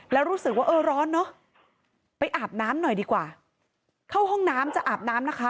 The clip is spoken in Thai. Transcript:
แล้วรู้สึกว่าเออร้อนเนอะไปอาบน้ำหน่อยดีกว่าเข้าห้องน้ำจะอาบน้ำนะคะ